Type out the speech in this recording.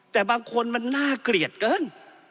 แต่บางคนมันน่าเกลียดเกิน